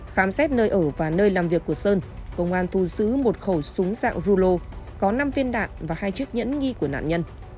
khám xét nơi ở và nơi làm việc của sơn công an thu giữ một khẩu súng dạng rulo có năm viên đạn và hai chiếc nhẫn nghi của nạn nhân